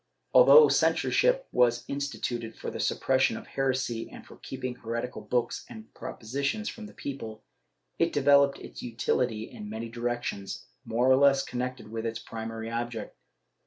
Although censorship was instituted for the suppression of heresy and for keeping heretical books and propositions from the people, it developed its utility in many directions, more or less connected with its primary object.